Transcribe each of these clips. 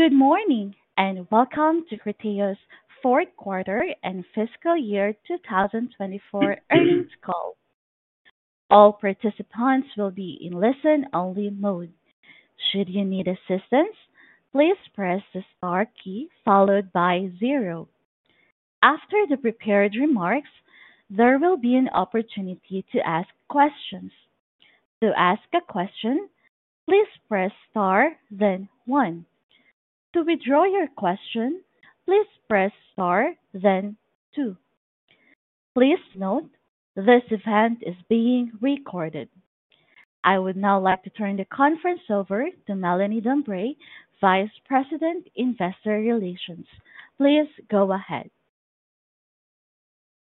Good morning and welcome to Criteo's Fourth Quarter and Fiscal Year 2024 Earnings Call. All participants will be in listen-only mode. Should you need assistance, please press the star key followed by zero. After the prepared remarks, there will be an opportunity to ask questions. To ask a question, please press star, then one. To withdraw your question, please press star, then two. Please note this event is being recorded. I would now like to turn the conference over to Melanie Dambre, Vice President, Investor Relations. Please go ahead.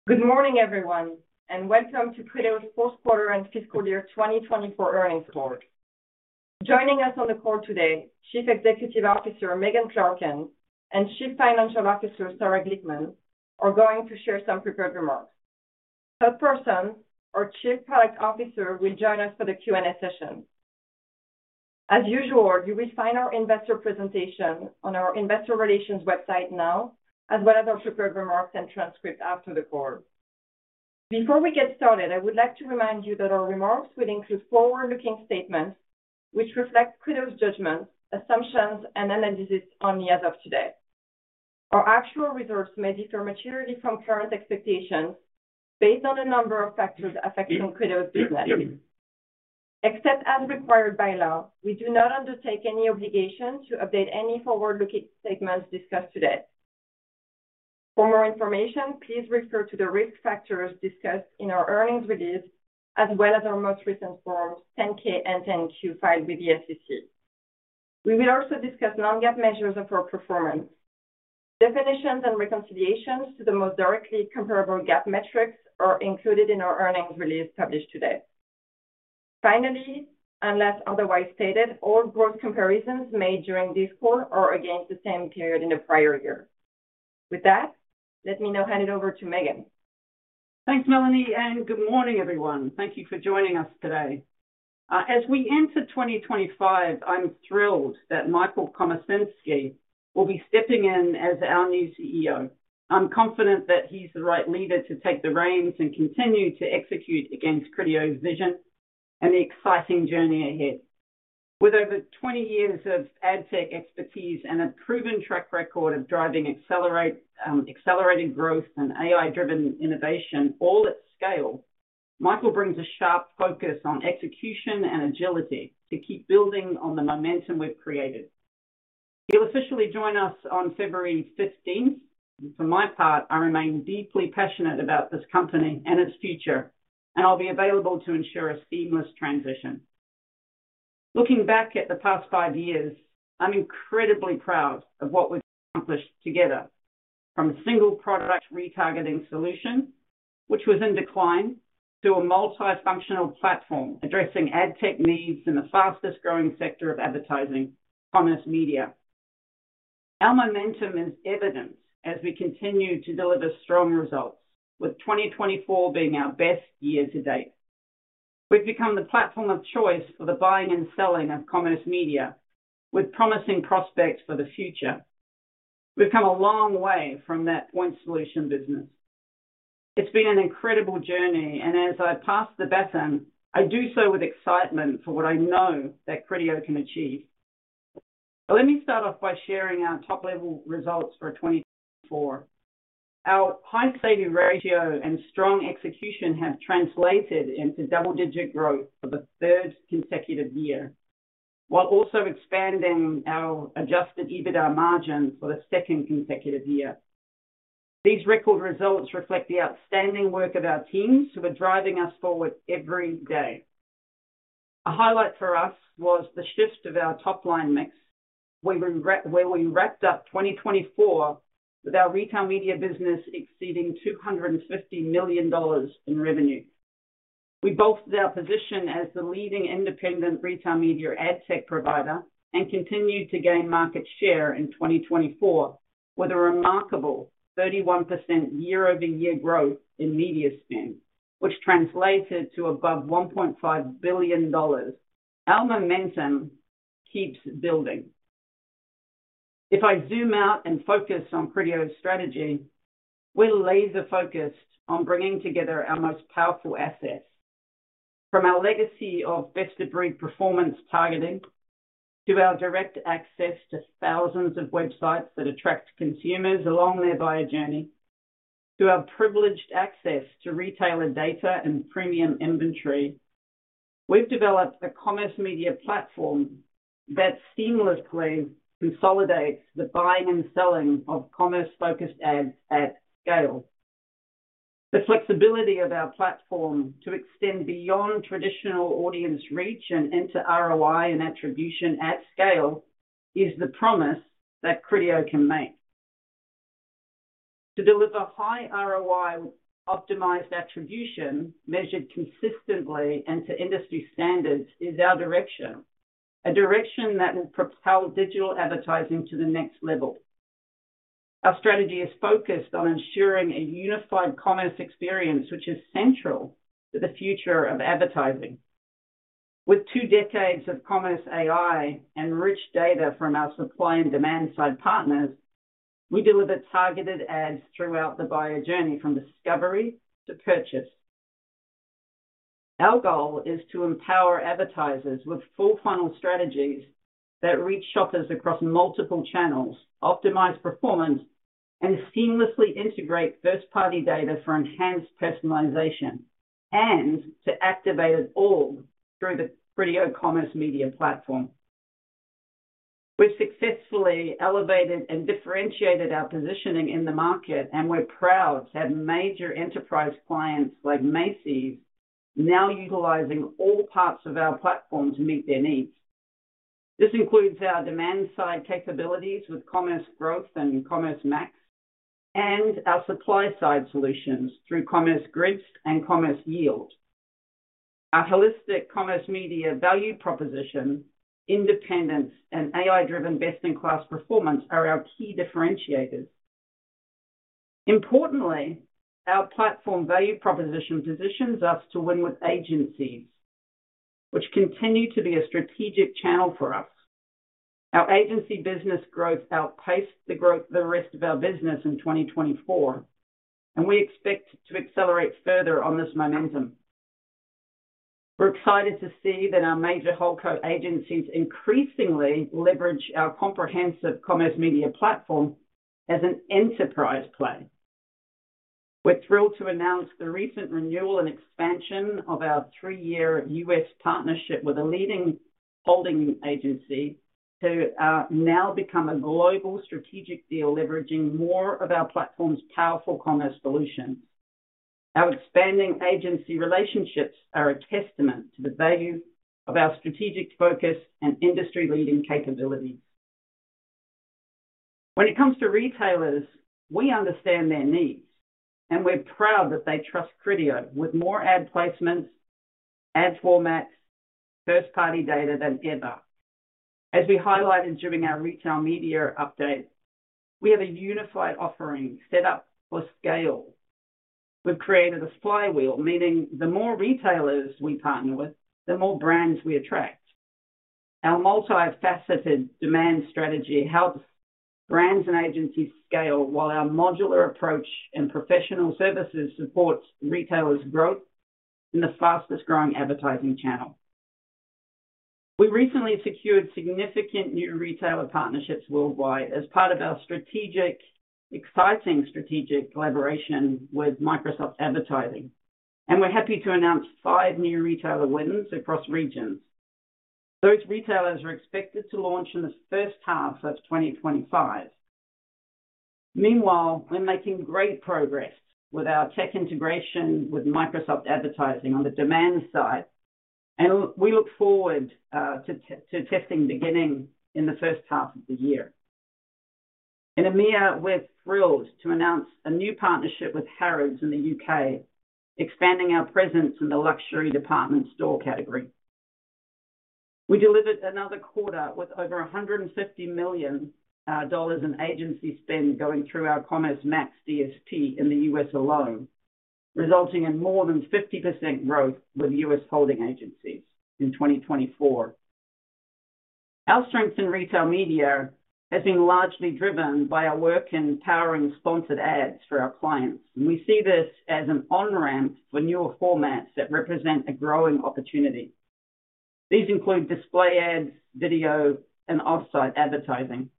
Good morning, everyone, and welcome to Criteo's Fourth Quarter and Fiscal Year 2024 Earnings Call. Joining us on the call today, Chief Executive Officer Megan Clarken and Chief Financial Officer Sarah Glickman are going to share some prepared remarks. Todd Parsons, our Chief Product Officer, will join us for the Q&A session. As usual, you will find our investor presentation on our Investor Relations website now, as well as our prepared remarks and transcript after the call. Before we get started, I would like to remind you that our remarks will include forward-looking statements which reflect Criteo's judgments, assumptions, and analysis as of today. Our actual results may differ materially from current expectations based on a number of factors affecting Criteo's business. Except as required by law, we do not undertake any obligation to update any forward-looking statements discussed today. For more information, please refer to the risk factors discussed in our earnings release, as well as our most recent forms 10-K and 10-Q filed with the SEC. We will also discuss non-GAAP measures of our performance. Definitions and reconciliations to the most directly comparable GAAP metrics are included in our earnings release published today. Finally, unless otherwise stated, all growth comparisons made during this call are against the same period in the prior year. With that, let me now hand it over to Megan. Thanks, Melanie, and good morning, everyone. Thank you for joining us today. As we enter 2025, I'm thrilled that Michael Komasinski will be stepping in as our new CEO. I'm confident that he's the right leader to take the reins and continue to execute against Criteo's vision and the exciting journey ahead. With over 20 years of Ad Tech expertise and a proven track record of driving accelerated growth and AI-driven innovation all at scale, Michael brings a sharp focus on execution and agility to keep building on the momentum we've created. He'll officially join us on February 15th. For my part, I remain deeply passionate about this company and its future, and I'll be available to ensure a seamless transition. Looking back at the past five years, I'm incredibly proud of what we've accomplished together, from a single product retargeting solution, which was in decline, to a multifunctional platform addressing Ad Tech needs in the fastest-growing sector of advertising, commerce, media. Our momentum is evident as we continue to deliver strong results, with 2024 being our best year to date. We've become the platform of choice for the buying and selling of commerce, media, with promising prospects for the future. We've come a long way from that point solution business. It's been an incredible journey, and as I pass the baton, I do so with excitement for what I know that Criteo can achieve. Let me start off by sharing our top-level results for 2024. Our high saving ratio and strong execution have translated into double-digit growth for the third consecutive year, while also expanding our adjusted EBITDA margin for the second consecutive year. These record results reflect the outstanding work of our teams who are driving us forward every day. A highlight for us was the shift of our top-line mix, where we wrapped up 2024 with our Retail media business exceeding $250 million in revenue. We bolstered our position as the leading independent Retail Media Ad Tech provider and continued to gain market share in 2024 with a remarkable 31% year-over-year growth in media spend, which translated to above $1.5 billion. Our momentum keeps building. If I zoom out and focus on Criteo's strategy, we're laser-focused on bringing together our most powerful assets. From our legacy of best-of-breed performance targeting to our direct access to thousands of websites that attract consumers along their buyer journey, to our privileged access to retailer data and premium inventory, we've developed a commerce media platform that seamlessly consolidates the buying and selling of commerce-focused ads at scale. The flexibility of our platform to extend beyond traditional audience reach and enter ROI and attribution at scale is the promise that Criteo can make. To deliver high ROI, optimized attribution measured consistently and to industry standards is our direction, a direction that will propel digital advertising to the next level. Our strategy is focused on ensuring a unified commerce experience, which is central to the future of advertising. With two decades of commerce AI and rich data from our supply and demand side partners, we deliver targeted ads throughout the buyer journey, from discovery to purchase. Our goal is to empower advertisers with full-funnel strategies that reach shoppers across multiple channels, optimize performance, and seamlessly integrate first-party data for enhanced personalization, and to activate it all through the Criteo commerce media platform. We've successfully elevated and differentiated our positioning in the market, and we're proud to have major enterprise clients like Macy's now utilizing all parts of our platform to meet their needs. This includes our demand-side capabilities with Commerce Growth and Commerce Max, and our supply-side solutions through Commerce Grid and Commerce Yield. Our holistic commerce media value proposition, independence, and AI-driven best-in-class performance are our key differentiators. Importantly, our platform value proposition positions us to win with agencies, which continue to be a strategic channel for us. Our agency business growth outpaced the growth of the rest of our business in 2024, and we expect to accelerate further on this momentum. We're excited to see that our major HoldCo agencies increasingly leverage our comprehensive commerce media platform as an enterprise play. We're thrilled to announce the recent renewal and expansion of our three-year U.S. partnership with a leading HoldCo agency who have now become a global strategic deal, leveraging more of our platform's powerful commerce solutions. Our expanding agency relationships are a testament to the value of our strategic focus and industry-leading capabilities. When it comes to retailers, we understand their needs, and we're proud that they trust Criteo with more ad placements, ad formats, and first-party data than ever. As we highlighted during our Retail Media Update, we have a unified offering set up for scale. We've created a flywheel, meaning the more retailers we partner with, the more brands we attract. Our multifaceted demand strategy helps brands and agencies scale, while our modular approach and professional services support retailers' growth in the fastest-growing advertising channel. We recently secured significant new retailer partnerships worldwide as part of our exciting strategic collaboration with Microsoft Advertising, and we're happy to announce five new retailer wins across regions. Those retailers are expected to launch in the first half of 2025. Meanwhile, we're making great progress with our tech integration with Microsoft Advertising on the demand side, and we look forward to testing beginning in the first half of the year. In EMEA, we're thrilled to announce a new partnership with Harrods in the U.K., expanding our presence in the luxury department store category. We delivered another quarter with over $150 million in agency spend going through our Commerce Max DSP in the U.S. alone, resulting in more than 50% growth with U.S. holding agencies in 2024. Our strength in Retail Media has been largely driven by our work in powering sponsored ads for our clients, and we see this as an on-ramp for newer formats that represent a growing opportunity. These include display ads, video, and off-site advertising.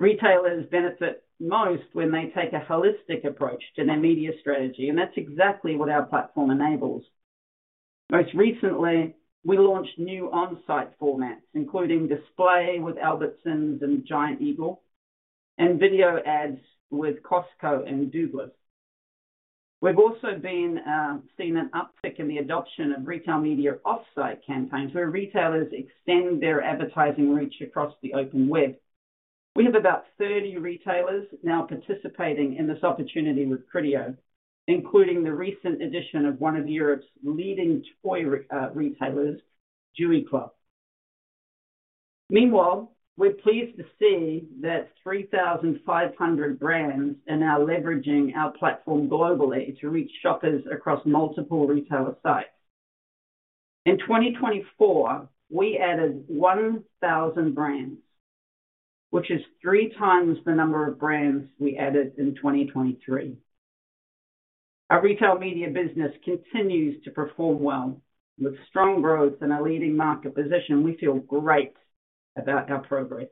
Retailers benefit most when they take a holistic approach to their media strategy, and that's exactly what our platform enables. Most recently, we launched new on-site formats, including display with Albertsons and Giant Eagle, and video ads with Costco and Douglas. We've also seen an uptick in the adoption of Retail Media off-site campaigns where retailers extend their advertising reach across the open web. We have about 30 retailers now participating in this opportunity with Criteo, including the recent addition of one of Europe's leading toy retailers, JouéClub. Meanwhile, we're pleased to see that 3,500 brands are now leveraging our platform globally to reach shoppers across multiple retailer sites. In 2024, we added 1,000 brands, which is three times the number of brands we added in 2023. Our Retail Media business continues to perform well with strong growth and a leading market position. We feel great about our progress.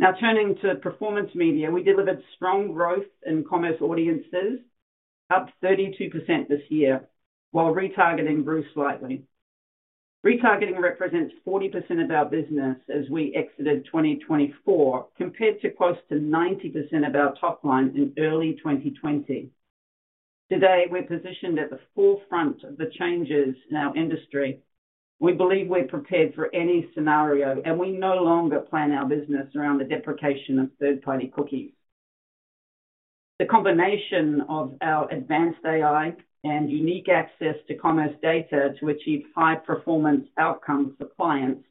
Now, turning to Performance Media, we delivered strong growth in commerce audiences, up 32% this year, while retargeting grew slightly. Retargeting represents 40% of our business as we exited 2024, compared to close to 90% of our top line in early 2020. Today, we're positioned at the forefront of the changes in our industry. We believe we're prepared for any scenario, and we no longer plan our business around the deprecation of third-party cookies. The combination of our advanced AI and unique access to commerce data to achieve high-performance outcomes for clients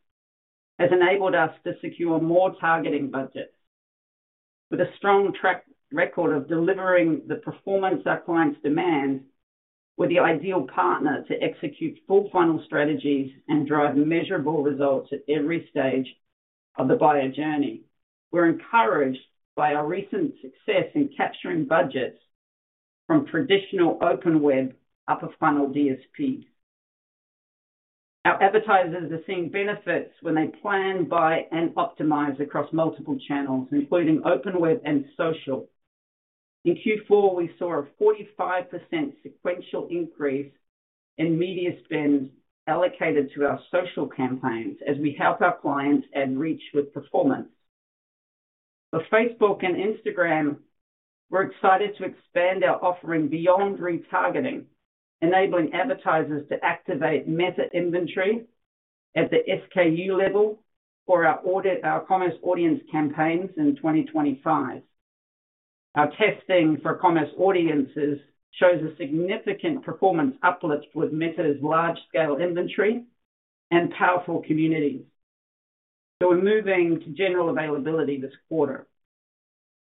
has enabled us to secure more targeting budgets. With a strong track record of delivering the performance our clients demand, we're the ideal partner to execute full-funnel strategies and drive measurable results at every stage of the buyer journey. We're encouraged by our recent success in capturing budgets from traditional open web upper-funnel DSPs. Our advertisers are seeing benefits when they plan, buy, and optimize across multiple channels, including open web and social. In Q4, we saw a 45% sequential increase in media spend allocated to our social campaigns as we help our clients add reach with performance. For Facebook and Instagram, we're excited to expand our offering beyond retargeting, enabling advertisers to activate Meta inventory at the SKU level for our commerce audience campaigns in 2025. Our testing for commerce audiences shows a significant performance uplift with Meta's large-scale inventory and powerful communities, so we're moving to general availability this quarter.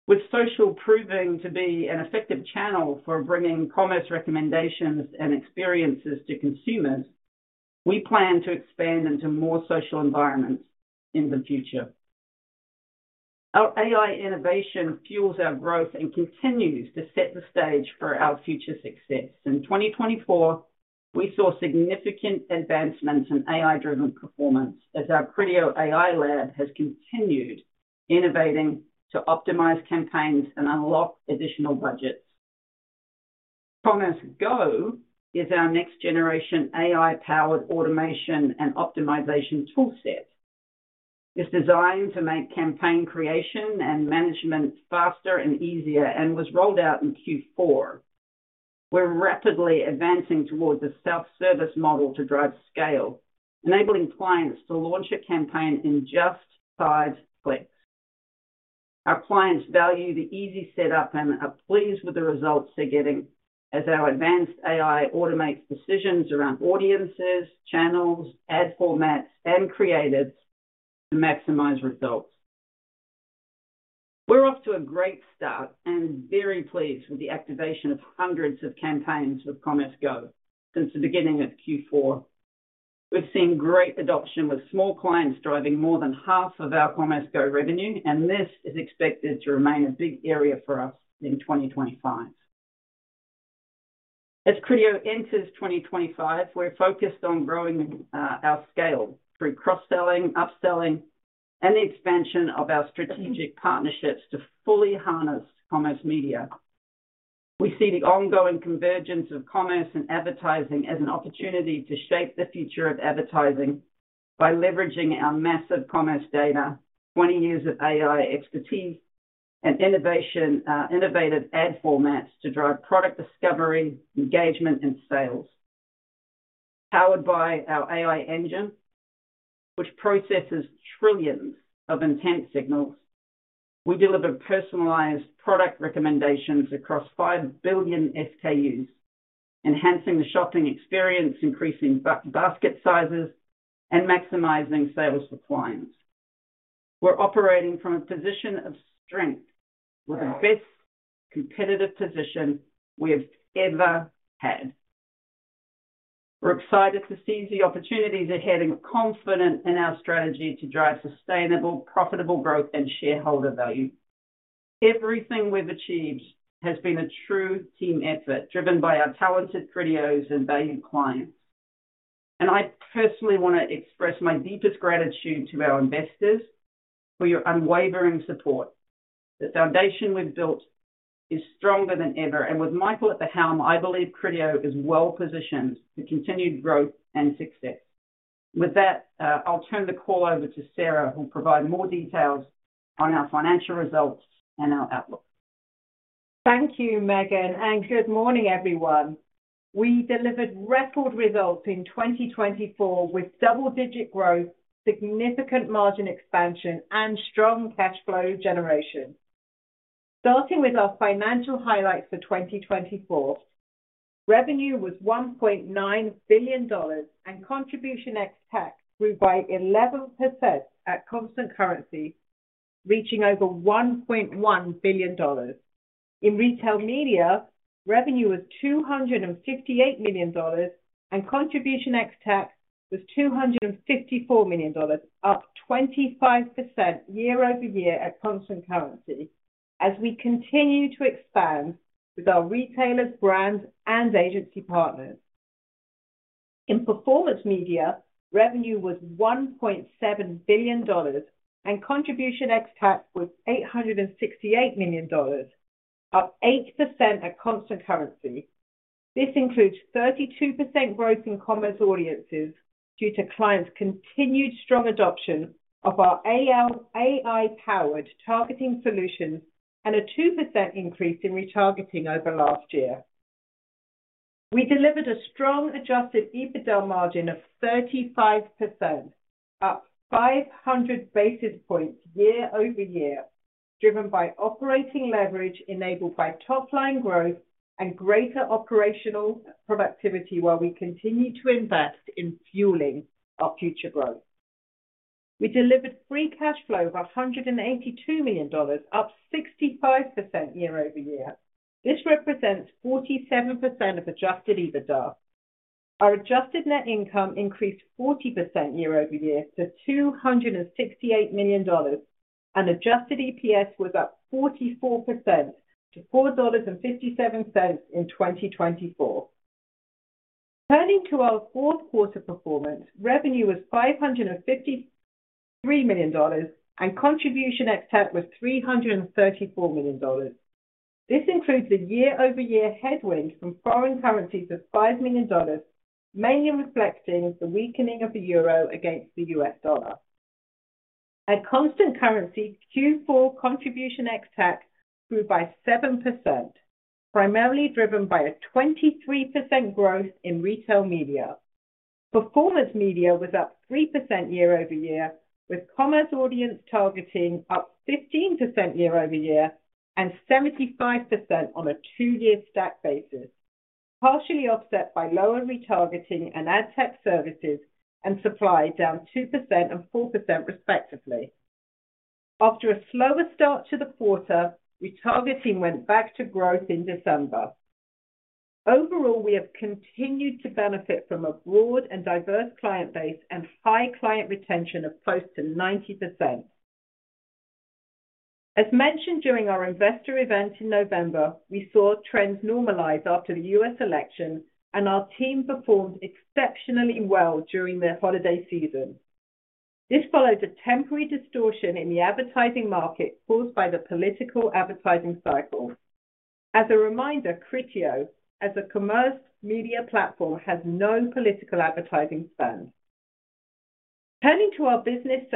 With social proving to be an effective channel for bringing commerce recommendations and experiences to consumers, we plan to expand into more social environments in the future. Our AI innovation fuels our growth and continues to set the stage for our future success. In 2024, we saw significant advancements in AI-driven performance as our Criteo AI Lab has continued innovating to optimize campaigns and unlock additional budgets. Commerce Go is our next-generation AI-powered automation and optimization toolset. It's designed to make campaign creation and management faster and easier and was rolled out in Q4. We're rapidly advancing towards a self-service model to drive scale, enabling clients to launch a campaign in just five clicks. Our clients value the easy setup and are pleased with the results they're getting as our advanced AI automates decisions around audiences, channels, ad formats, and creatives to maximize results. We're off to a great start and very pleased with the activation of hundreds of campaigns with Commerce Go since the beginning of Q4. We've seen great adoption with small clients driving more than half of our Commerce Go revenue, and this is expected to remain a big area for us in 2025. As Criteo enters 2025, we're focused on growing our scale through cross-selling, upselling, and the expansion of our strategic partnerships to fully harness commerce media. We see the ongoing convergence of commerce and advertising as an opportunity to shape the future of advertising by leveraging our massive commerce data, 20 years of AI expertise, and innovative ad formats to drive product discovery, engagement, and sales. Powered by our AI engine, which processes trillions of intent signals, we deliver personalized product recommendations across 5 billion SKUs, enhancing the shopping experience, increasing basket sizes, and maximizing sales for clients. We're operating from a position of strength with the best competitive position we've ever had. We're excited to seize the opportunities ahead and confident in our strategy to drive sustainable, profitable growth and shareholder value. Everything we've achieved has been a true team effort driven by our talented Criteos and valued clients. And I personally want to express my deepest gratitude to our investors for your unwavering support. The foundation we've built is stronger than ever, and with Michael at the helm, I believe Criteo is well-positioned for continued growth and success. With that, I'll turn the call over to Sarah, who will provide more details on our financial results and our outlook. Thank you, Megan, and good morning, everyone. We delivered record results in 2024 with double-digit growth, significant margin expansion, and strong cash flow generation. Starting with our financial highlights for 2024, revenue was $1.9 billion, and Contribution ex-TAC grew by 11% at constant currency, reaching over $1.1 billion. In Retail Media, revenue was $258 million, and Contribution ex-TAC was $254 million, up 25% year-over-year at constant currency, as we continue to expand with our retailers, brands, and agency partners. In Performance Media, revenue was $1.7 billion, and Contribution ex-TAC was $868 million, up 8% at constant currency. This includes 32% growth in commerce audiences due to clients' continued strong adoption of our AI-powered targeting solutions and a 2% increase in retargeting over last year. We delivered a strong adjusted EBITDA margin of 35%, up 500 basis points year-over-year, driven by operating leverage enabled by top-line growth and greater operational productivity, while we continue to invest in fueling our future growth. We delivered free cash flow of $182 million, up 65% year-over-year. This represents 47% of adjusted EBITDA. Our adjusted net income increased 40% year-over-year to $268 million, and adjusted EPS was up 44% to $4.57 in 2024. Turning to our fourth quarter performance, revenue was $553 million, and Contribution ex-TAC was $334 million. This includes a year-over-year headwind from foreign currencies of $5 million, mainly reflecting the weakening of the euro against the U.S. dollar. At constant currency, Q4 Contribution ex-TAC grew by 7%, primarily driven by a 23% growth in Retail Media. Performance media was up 3% year-over-year, with commerce audience targeting up 15% year-over-year and 75% on a two-year stack basis, partially offset by lower retargeting and Ad Tech Services and supply down 2% and 4% respectively. After a slower start to the quarter, retargeting went back to growth in December. Overall, we have continued to benefit from a broad and diverse client base and high client retention of close to 90%. As mentioned during our investor event in November, we saw trends normalize after the U.S. election, and our team performed exceptionally well during the holiday season. This followed a temporary distortion in the advertising market caused by the political advertising cycle. As a reminder, Criteo, as a commerce media platform, has no political advertising spend. Turning to our business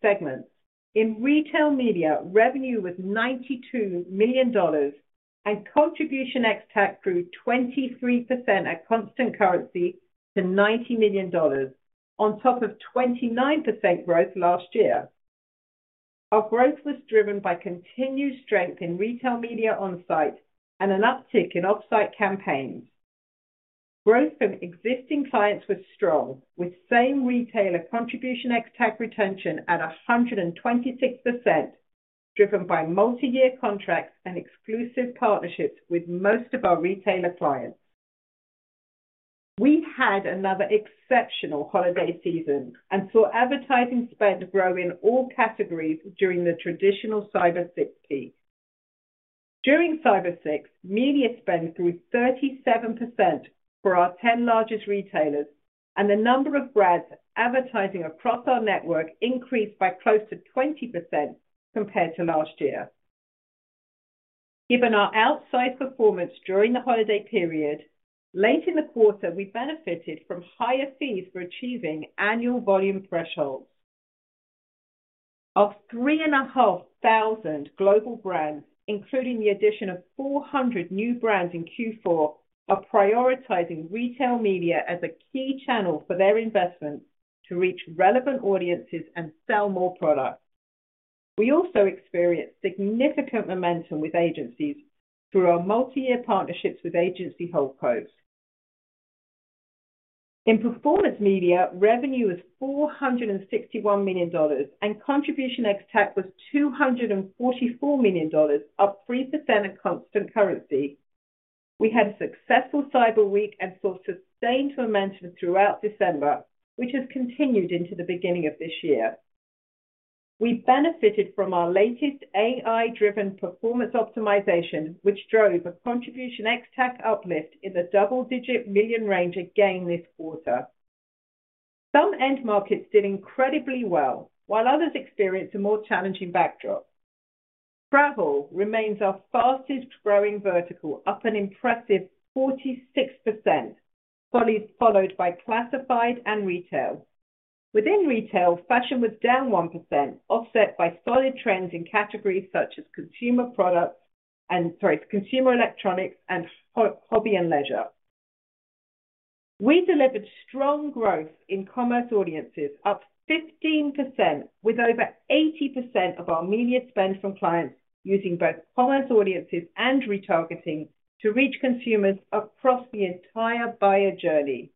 segments, in Retail Media, revenue was $92 million, and Contribution ex-TAC grew 23% at constant currency to $90 million, on top of 29% growth last year. Our growth was driven by continued strength in Retail Media on-site and an uptick in off-site campaigns. Growth from existing clients was strong, with same retailer Contribution ex-TAC retention at 126%, driven by multi-year contracts and exclusive partnerships with most of our retailer clients. We had another exceptional holiday season and saw advertising spend grow in all categories during the traditional Cyber 6. During Cyber 6, media spend grew 37% for our 10 largest retailers, and the number of brands advertising across our network increased by close to 20% compared to last year. Given our outsize performance during the holiday period, late in the quarter, we benefited from higher fees for achieving annual volume thresholds. Over 3,500 global brands, including the addition of 400 new brands in Q4, are prioritizing Retail Media as a key channel for their investments to reach relevant audiences and sell more products. We also experienced significant momentum with agencies through our multi-year partnerships with agency HoldCos. In Performance Media, revenue was $461 million, and Contribution ex-TAC was $244 million, up 3% at constant currency. We had a successful Cyber Week and saw sustained momentum throughout December, which has continued into the beginning of this year. We benefited from our latest AI-driven performance optimization, which drove a Contribution ex-TAC uplift in the double-digit million range again this quarter. Some end markets did incredibly well, while others experienced a more challenging backdrop. Travel remains our fastest growing vertical, up an impressive 46%, followed by classifieds and retail. Within retail, fashion was down 1%, offset by solid trends in categories such as consumer products and, sorry, consumer electronics and hobby and leisure. We delivered strong growth in commerce audiences, up 15%, with over 80% of our media spend from clients using both commerce audiences and retargeting to reach consumers across the entire buyer journey.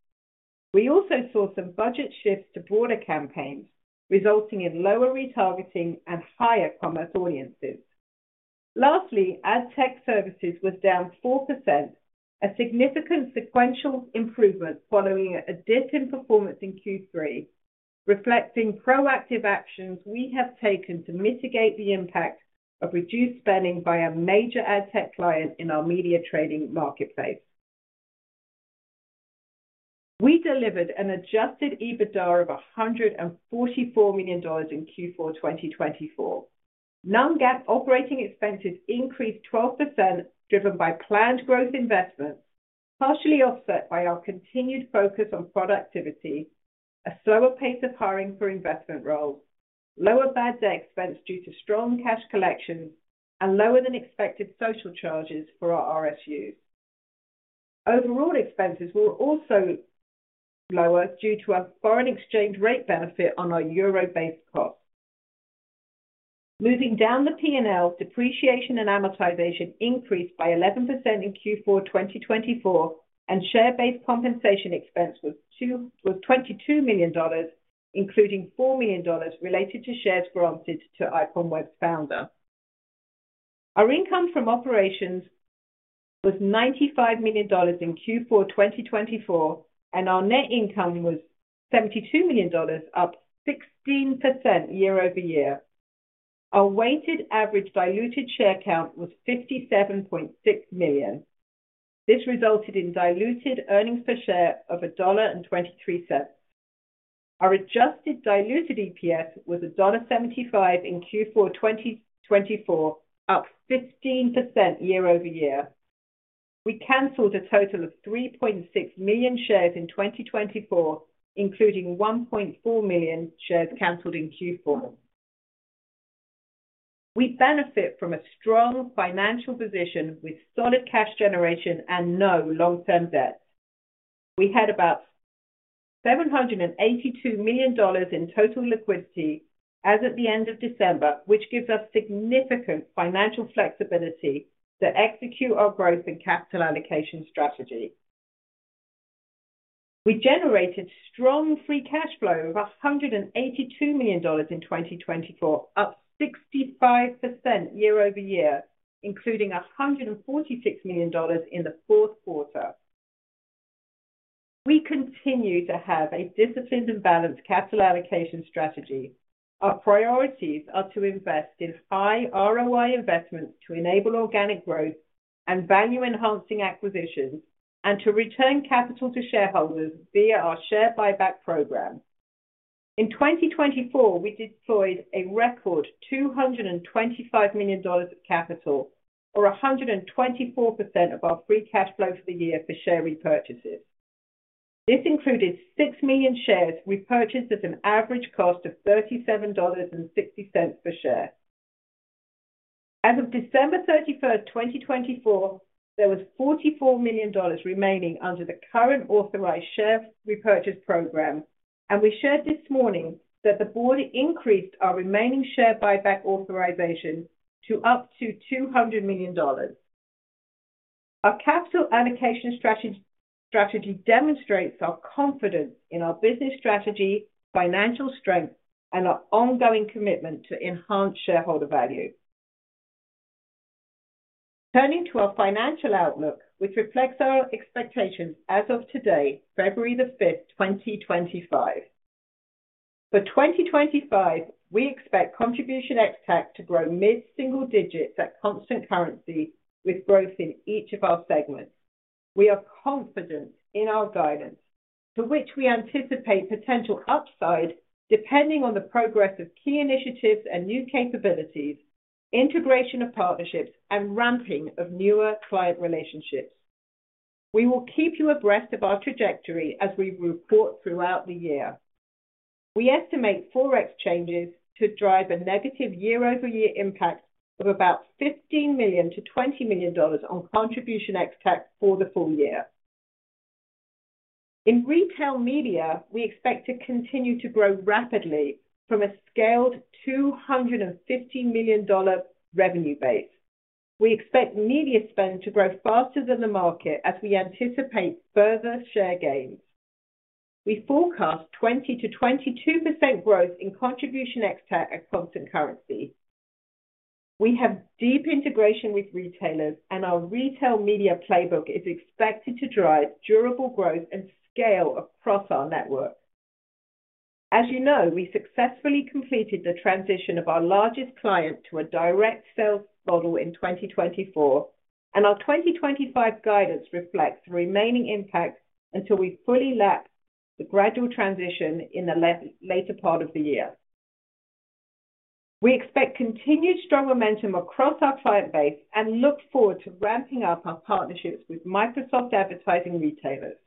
We also saw some budget shifts to broader campaigns, resulting in lower retargeting and higher commerce audiences. Lastly, Ad Tech Services was down 4%, a significant sequential improvement following a dip in performance in Q3, reflecting proactive actions we have taken to mitigate the impact of reduced spending by a major Ad Tech client in our media trading marketplace. We delivered an adjusted EBITDA of $144 million in Q4 2024. Non-GAAP operating expenses increased 12%, driven by planned growth investments, partially offset by our continued focus on productivity, a slower pace of hiring for investment roles, lower bad debt expense due to strong cash collections, and lower than expected social charges for RSUs. Overall expenses were also lower due to a foreign exchange rate benefit on our euro-based costs. Moving down the P&L, depreciation and amortization increased by 11% in Q4 2024, and share-based compensation expense was $22 million, including $4 million related to shares granted to IPONWEB's founder. Our income from operations was $95 million in Q4 2024, and our net income was $72 million, up 16% year-over-year. Our weighted average diluted share count was 57.6 million. This resulted in diluted earnings per share of $1.23. Our adjusted diluted EPS was $1.75 in Q4 2024, up 15% year-over-year. We canceled a total of 3.6 million shares in 2024, including 1.4 million shares canceled in Q4. We benefit from a strong financial position with solid cash generation and no long-term debts. We had about $782 million in total liquidity as of the end of December, which gives us significant financial flexibility to execute our growth and capital allocation strategy. We generated strong free cash flow of $182 million in 2024, up 65% year-over-year, including $146 million in the fourth quarter. We continue to have a disciplined and balanced capital allocation strategy. Our priorities are to invest in high ROI investments to enable organic growth and value-enhancing acquisitions, and to return capital to shareholders via our share buyback program. In 2024, we deployed a record $225 million of capital, or 124% of our free cash flow for the year for share repurchases. This included 6 million shares repurchased at an average cost of $37.60 per share. As of December 31, 2024, there was $44 million remaining under the current authorized share repurchase program, and we shared this morning that the board increased our remaining share buyback authorization to up to $200 million. Our capital allocation strategy demonstrates our confidence in our business strategy, financial strength, and our ongoing commitment to enhance shareholder value. Turning to our financial outlook, which reflects our expectations as of today, February 5, 2025. For 2025, we expect Contribution ex-TAC to grow mid-single digits at constant currency with growth in each of our segments. We are confident in our guidance, to which we anticipate potential upside depending on the progress of key initiatives and new capabilities, integration of partnerships, and ramping of newer client relationships. We will keep you abreast of our trajectory as we report throughout the year. We estimate forex changes to drive a negative year-over-year impact of about $15 million-$20 million on Contribution ex-TAC for the full year. In Retail Media, we expect to continue to grow rapidly from a scaled $250 million revenue base. We expect media spend to grow faster than the market as we anticipate further share gains. We forecast 20%-22% growth in Contribution ex-TAC at constant currency. We have deep integration with retailers, and our Retail Media playbook is expected to drive durable growth and scale across our network. As you know, we successfully completed the transition of our largest client to a direct sales model in 2024, and our 2025 guidance reflects the remaining impact until we fully lapse the gradual transition in the later part of the year. We expect continued strong momentum across our client base and look forward to ramping up our partnerships with Microsoft Advertising retailers.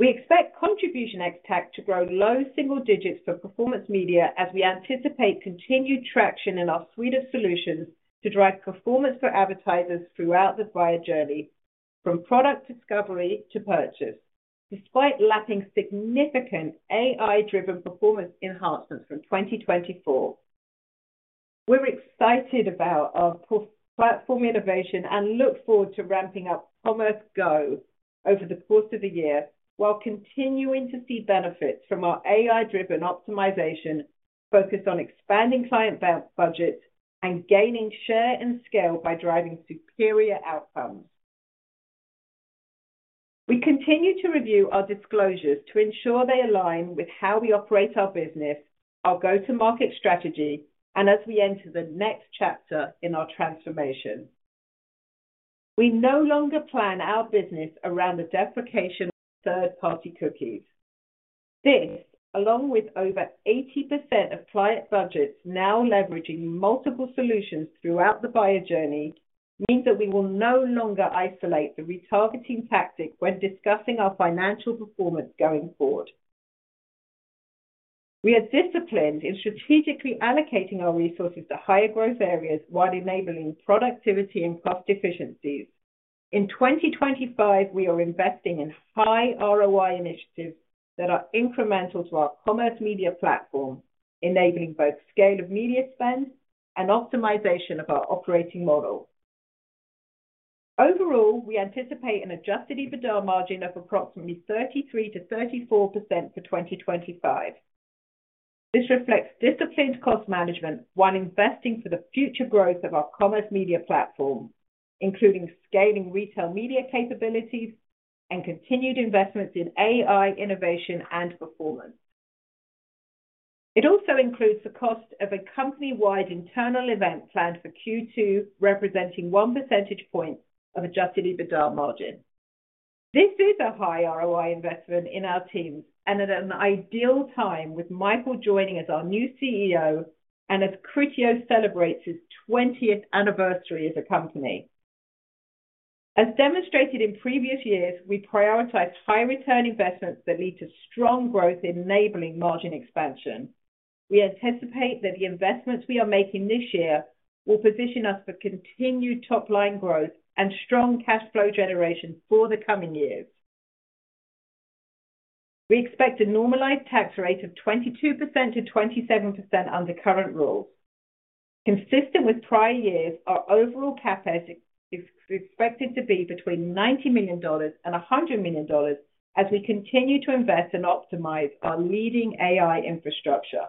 We expect Contribution ex-TAC to grow low single digits for Performance Media as we anticipate continued traction in our suite of solutions to drive performance for advertisers throughout the buyer journey, from product discovery to purchase, despite lapping significant AI-driven performance enhancements from 2024. We're excited about our platform innovation and look forward to ramping up Commerce Go over the course of the year, while continuing to see benefits from our AI-driven optimization focused on expanding client budgets and gaining share and scale by driving superior outcomes. We continue to review our disclosures to ensure they align with how we operate our business, our go-to-market strategy, and as we enter the next chapter in our transformation. We no longer plan our business around the deprecation of third-party cookies. This, along with over 80% of client budgets now leveraging multiple solutions throughout the buyer journey, means that we will no longer isolate the retargeting tactic when discussing our financial performance going forward. We are disciplined in strategically allocating our resources to higher growth areas while enabling productivity and cost efficiencies. In 2025, we are investing in high ROI initiatives that are incremental to our commerce media platform, enabling both scale of media spend and optimization of our operating model. Overall, we anticipate an adjusted EBITDA margin of approximately 33%-34% for 2025. This reflects disciplined cost management while investing for the future growth of our commerce media platform, including scaling Retail Media capabilities and continued investments in AI innovation and performance. It also includes the cost of a company-wide internal event planned for Q2, representing 1 percentage point of adjusted EBITDA margin. This is a high ROI investment in our teams and at an ideal time, with Michael joining as our new CEO and as Criteo celebrates its 20th anniversary as a company. As demonstrated in previous years, we prioritize high-return investments that lead to strong growth, enabling margin expansion. We anticipate that the investments we are making this year will position us for continued top-line growth and strong cash flow generation for the coming years. We expect a normalized tax rate of 22%-27% under current rules. Consistent with prior years, our overall CapEx is expected to be between $90 million and $100 million as we continue to invest and optimize our leading AI infrastructure.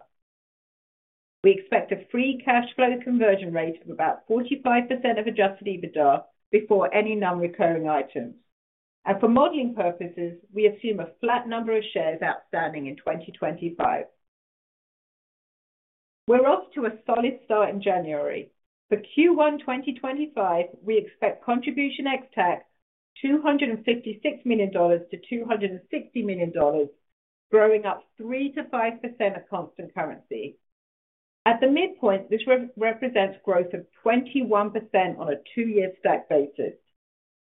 We expect a free cash flow conversion rate of about 45% of adjusted EBITDA before any non-recurring items. For modeling purposes, we assume a flat number of shares outstanding in 2025. We're off to a solid start in January. For Q1 2025, we expect Contribution ex-TAC $256 million-$260 million, growing up 3%-5% at constant currency. At the midpoint, this represents growth of 21% on a two-year stack basis.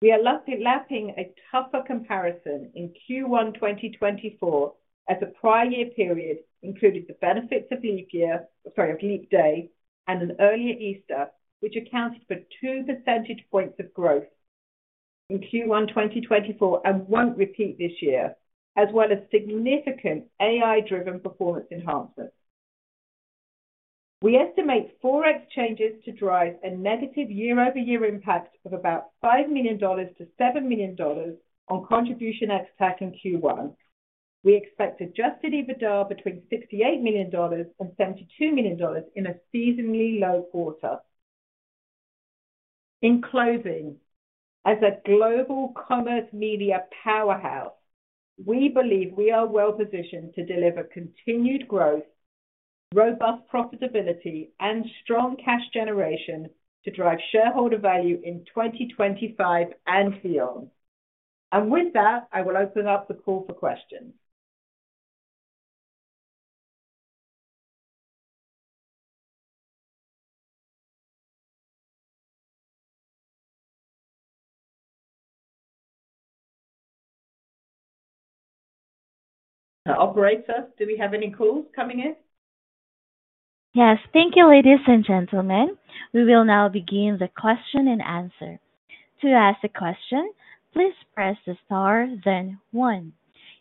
We are lapping a tougher comparison in Q1 2024 as the prior year period included the benefits of Leap Year, sorry, of Leap Day and an earlier Easter, which accounted for 2 percentage points of growth in Q1 2024 and won't repeat this year, as well as significant AI-driven performance enhancements. We estimate forex changes to drive a negative year-over-year impact of about $5 million-$7 million on Contribution ex-TAC in Q1. We expect adjusted EBITDA between $68 million and $72 million in a seasonally low quarter. In closing, as a global commerce media powerhouse, we believe we are well positioned to deliver continued growth, robust profitability, and strong cash generation to drive shareholder value in 2025 and beyond. And with that, I will open up the call for questions. Operator, do we have any calls coming in? Yes, thank you, ladies and gentlemen. We will now begin the question and answer. To ask a question, please press the star, then one.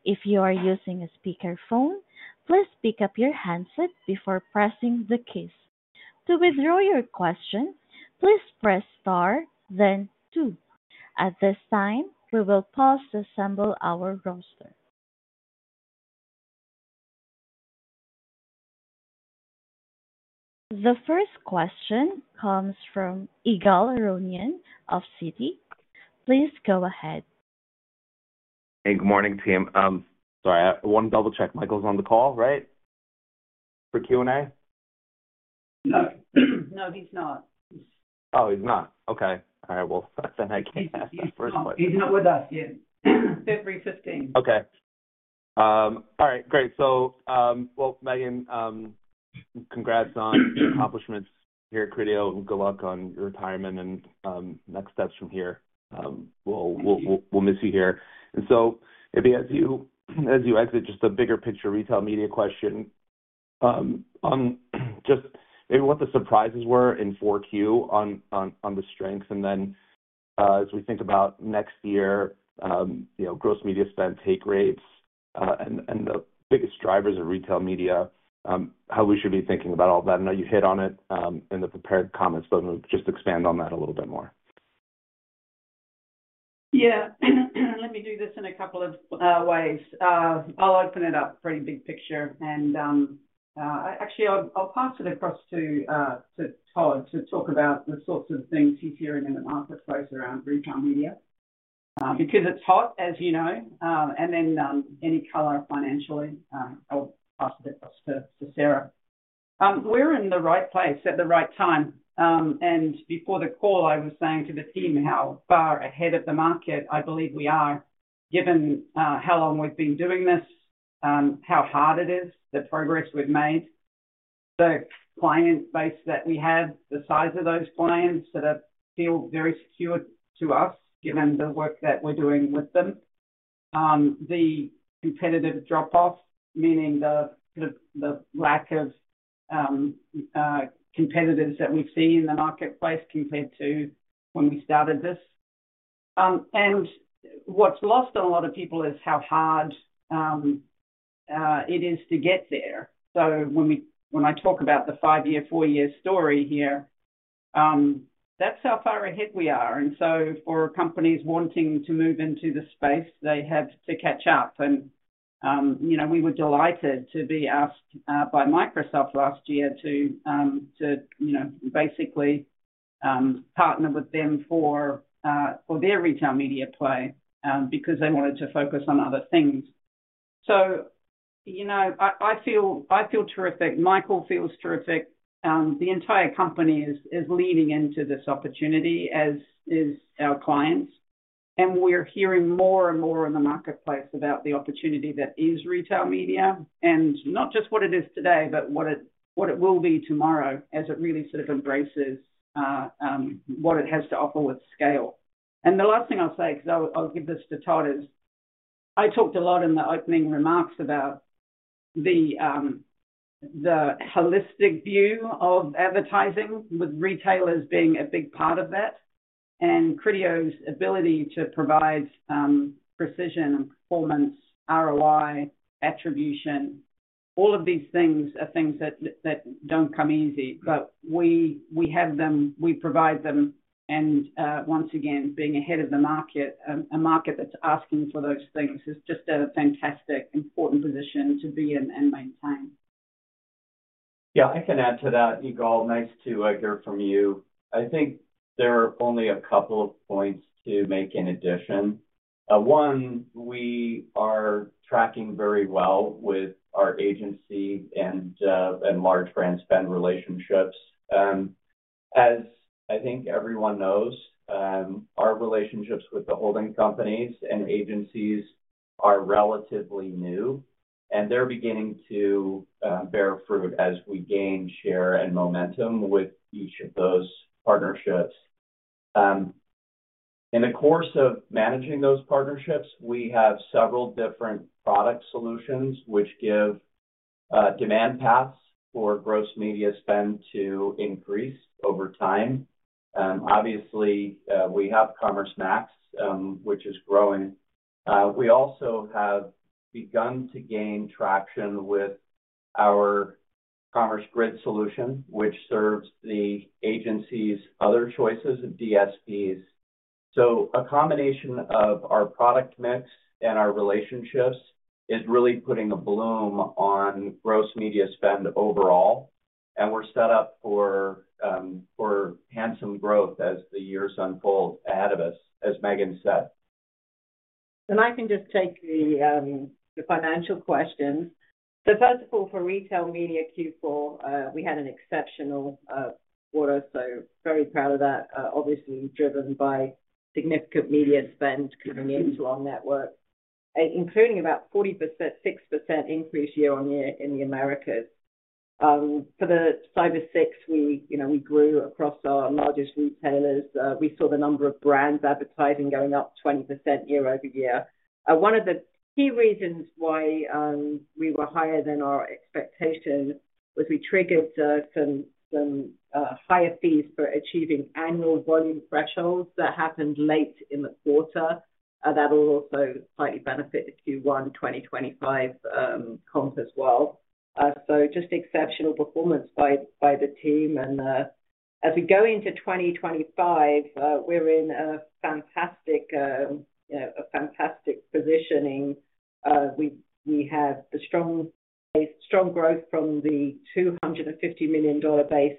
If you are using a speakerphone, please pick up your handset before pressing the keys. To withdraw your question, please press star, then two. At this time, we will pause to assemble our roster. The first question comes from Ygal Arounian of Citi. Please go ahead. Hey, good morning, team. Sorry, I want to double-check. Michael's on the call, right? For Q&A? No, he's not. Oh, he's not. Okay. All right. Then I can't ask that first question. He's not with us yet. February 15. Okay. All right. Great. So, Megan, congrats on your accomplishments here at Criteo. Good luck on your retirement and next steps from here. We'll miss you here. And so, maybe as you exit, just a bigger picture Retail Media question on just maybe what the surprises were in 4Q on the strength. And then as we think about next year, gross media spend, take rates, and the biggest drivers of Retail Media, how we should be thinking about all that. I know you hit on it in the prepared comments, but just expand on that a little bit more. Yeah. Let me do this in a couple of ways. I'll open it up, pretty big picture. Actually, I'll pass it across to Todd to talk about the sorts of things he's hearing in the marketplace around Retail Media, because it's hot, as you know. And then any color financially, I'll pass it across to Sarah. We're in the right place at the right time. And before the call, I was saying to the team how far ahead of the market I believe we are, given how long we've been doing this, how hard it is, the progress we've made, the client base that we have, the size of those clients that feel very secure to us, given the work that we're doing with them. The competitive drop-off, meaning the lack of competitors that we've seen in the marketplace compared to when we started this. And what's lost on a lot of people is how hard it is to get there. When I talk about the five-year, four-year story here, that's how far ahead we are, so for companies wanting to move into the space, they have to catch up. We were delighted to be asked by Microsoft last year to basically partner with them for their Retail Media play because they wanted to focus on other things. I feel terrific. Michael feels terrific. The entire company is leaning into this opportunity, as are our clients. We're hearing more and more in the marketplace about the opportunity that is Retail Media, and not just what it is today, but what it will be tomorrow as it really sort of embraces what it has to offer with scale. And the last thing I'll say, because I'll give this to Todd, is I talked a lot in the opening remarks about the holistic view of advertising, with retailers being a big part of that. And Criteo's ability to provide precision and performance, ROI, attribution, all of these things are things that don't come easy. But we have them. We provide them. And once again, being ahead of the market, a market that's asking for those things, is just a fantastic, important position to be in and maintain. Yeah, I can add to that, Ygal. Nice to hear from you. I think there are only a couple of points to make in addition. One, we are tracking very well with our agency and large brand spend relationships. As I think everyone knows, our relationships with the holding companies and agencies are relatively new, and they're beginning to bear fruit as we gain share and momentum with each of those partnerships. In the course of managing those partnerships, we have several different product solutions which give demand paths for gross media spend to increase over time. Obviously, we have Commerce Max, which is growing. We also have begun to gain traction with our Commerce Grid solution, which serves the agency's other choices of DSPs. So a combination of our product mix and our relationships is really putting a bloom on gross media spend overall. And we're set up for handsome growth as the years unfold ahead of us, as Megan said. And I can just take the financial questions. So first of all, for Retail Media Q4, we had an exceptional quarter, so very proud of that. Obviously, driven by significant media spend coming into our network, including about 40.6% increase year on year in the Americas. For the Cyber 6, we grew across our largest retailers. We saw the number of brands advertising going up 20% year-over-year. One of the key reasons why we were higher than our expectation was we triggered some higher fees for achieving annual volume thresholds that happened late in the quarter. That will also slightly benefit Q1 2025 comp as well. So just exceptional performance by the team. And as we go into 2025, we're in a fantastic positioning. We have a strong growth from the $250 million base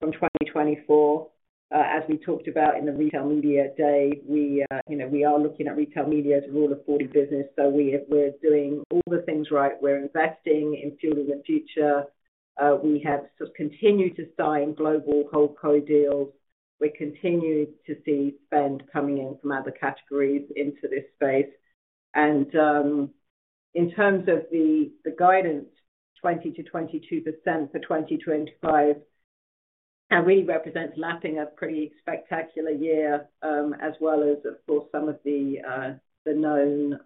from 2024. As we talked about in the Retail Media Day, we are looking at Retail Media as a Rule of 40 business. So we're doing all the things right. We're investing in fueling the future. We have continued to sign global HoldCo deals. We continue to see spend coming in from other categories into this space. And in terms of the guidance, 20%-22% for 2025 really represents lapping a pretty spectacular year, as well as, of course, some of the known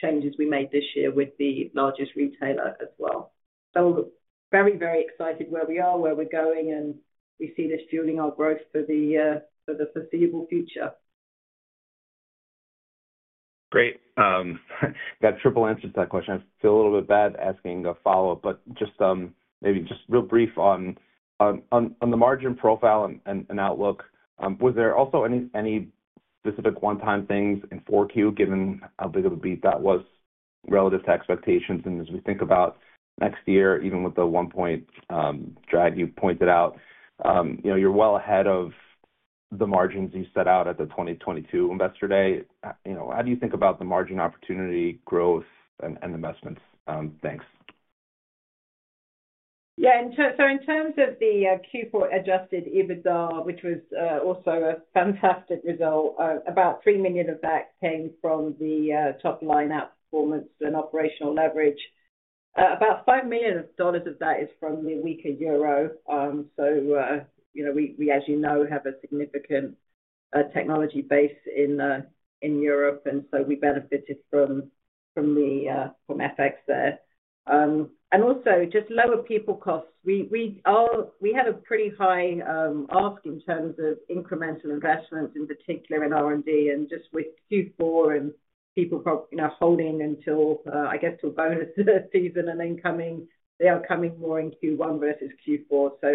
changes we made this year with the largest retailer as well. So very, very excited where we are, where we're going, and we see this fueling our growth for the foreseeable future. Great. That triple answers that question. I feel a little bit bad asking a follow-up, but just maybe just real brief on the margin profile and outlook. Was there also any specific one-time things in 4Q, given how big of a beat that was relative to expectations? As we think about next year, even with the one-point drag you pointed out, you're well ahead of the margins you set out at the 2022 investor day. How do you think about the margin opportunity growth and investments? Thanks. Yeah. So in terms of the Q4 adjusted EBITDA, which was also a fantastic result, about $3 million of that came from the top-line outperformance and operational leverage. About $5 million of that is from the weaker euro. So we, as you know, have a significant technology base in Europe. And so we benefited from FX there. And also just lower people costs. We had a pretty high ask in terms of incremental investments, in particular in R&D, and just with Q4 and people holding until, I guess, till bonus season and incoming. They are coming more in Q1 versus Q4. So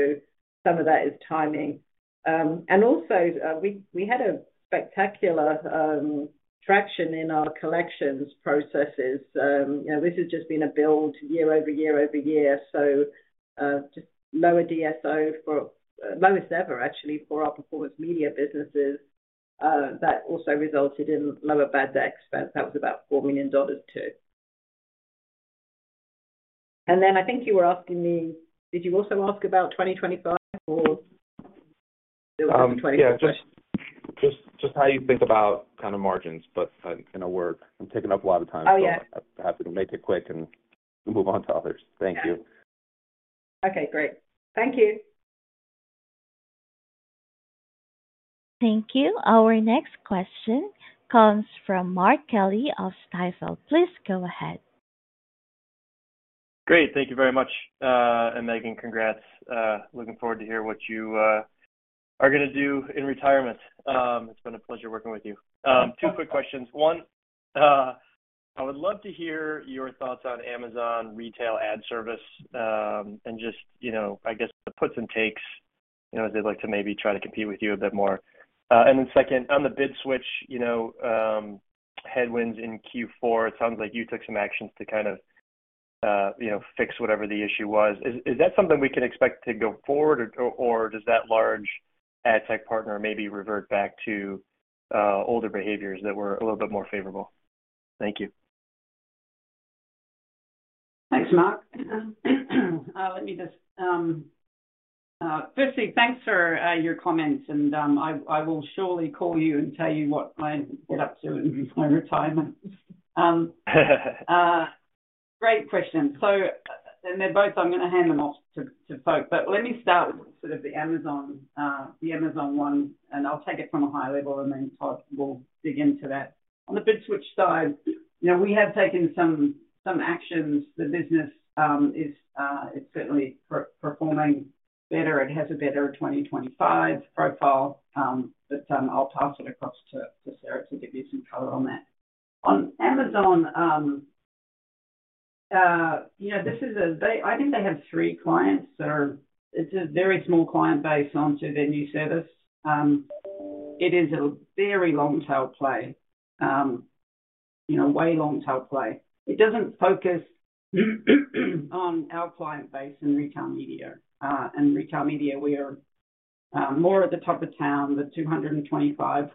some of that is timing. And also, we had spectacular traction in our collections processes. This has just been a build year over year over year. So just lower DSO, our lowest ever, actually, for our Performance Media businesses. That also resulted in lower bad debt expense. That was about $4 million too. And then I think you were asking me, did you also ask about 2025 or 2026? Just how you think about kind of margins, but I'm going to work. I'm taking up a lot of time. So I'm happy to make it quick and move on to others. Thank you. Okay. Great. Thank you. Thank you. Our next question comes from Mark Kelley of Stifel. Please go ahead. Great. Thank you very much. And Megan, congrats. Looking forward to hearing what you are going to do in retirement. It's been a pleasure working with you. Two quick questions. One, I would love to hear your thoughts on Amazon Retail Ad Service and just, I guess, the puts and takes as they'd like to maybe try to compete with you a bit more. And then second, on the BidSwitch headwinds in Q4, it sounds like you took some actions to kind of fix whatever the issue was. Is that something we can expect to go forward, or does that large Ad Tech partner maybe revert back to older behaviors that were a little bit more favorable? Thank you. Thanks, Mark. Let me just firstly, thanks for your comments. And I will surely call you and tell you what I get up to in my retirement. Great question. So they're both, I'm going to hand them off to folks. But let me start with sort of the Amazon one. And I'll take it from a high level, and then Todd will dig into that. On the BidSwitch side, we have taken some actions. The business is certainly performing better. It has a better 2025 profile. But I'll pass it across to Sarah to give you some color on that. On Amazon, this is, I think, they have three clients that are. It's a very small client base onto their new service. It is a very long-tail play, a way long-tail play. It doesn't focus on our client base and Retail Media. And Retail Media, we are more at the top of town. The 225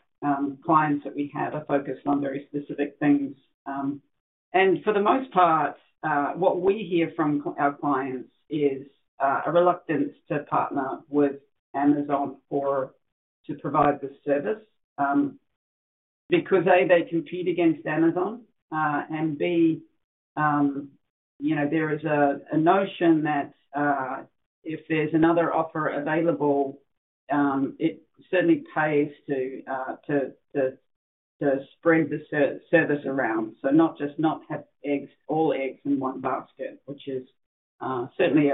clients that we have are focused on very specific things. And for the most part, what we hear from our clients is a reluctance to partner with Amazon or to provide the service because, A, they compete against Amazon. And B, there is a notion that if there's another offer available, it certainly pays to spread the service around, so not just not have all eggs in one basket, which is certainly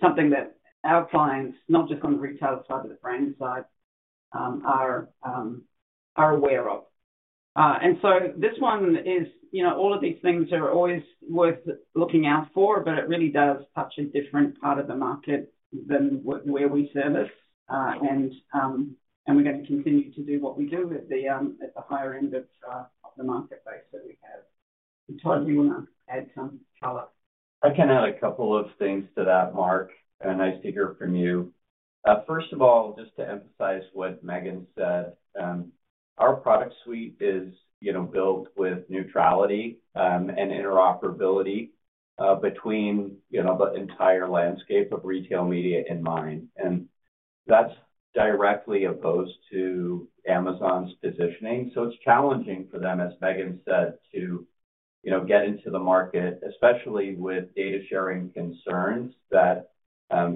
something that our clients, not just on the retail side but the brand side, are aware of, and so this one is all of these things are always worth looking out for, but it really does touch a different part of the market than where we service. And we're going to continue to do what we do at the higher end of the marketplace that we have. Todd, you want to add some color? I can add a couple of things to that, Mark, and nice to hear from you. First of all, just to emphasize what Megan said, our product suite is built with neutrality and interoperability between the entire landscape of Retail Media in mind. That's directly opposed to Amazon's positioning. It's challenging for them, as Megan said, to get into the market, especially with data sharing concerns that